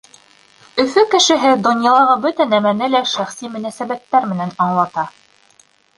Өфө кешеһе донъялағы бөтә нәмәне лә шәхси мөнәсәбәттәр менән аңлата.